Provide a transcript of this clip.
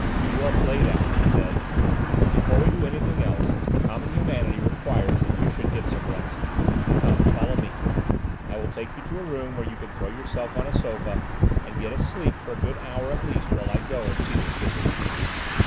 "You are played out," he said; "before we do anything else common humanity requires that you should get some rest. Come, follow me; I will take you to a room where you can throw yourself on a sofa and get a sleep for a good hour at least while I go and see this visitor."